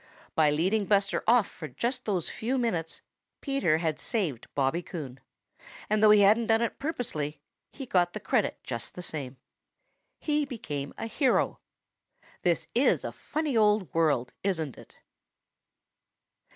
By leading Buster off for just those few minutes, Peter had saved Bobby Coon, and though he hadn't done it purposely, he got the credit just the same. He became a hero. This is a funny old world, isn't it?